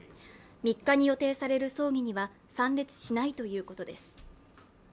３日に予定される葬儀には参列しないということです。